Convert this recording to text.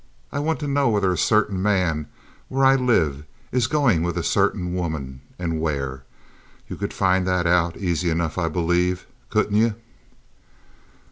I want to know whether a certain man where I live is goin' with a certain woman, and where. You could find that out aisy enough, I belave—couldn't you?"